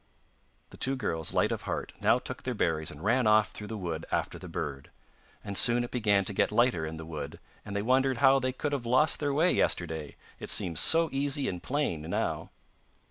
The two girls, light of heart, now took their berries and ran off through the wood after the bird; and soon it began to get lighter in the wood and they wondered how they could have lost their way yesterday, it seemed so easy and plain now.